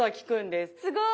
すごい！